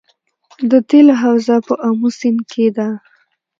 د تیلو حوزه په امو سیند کې ده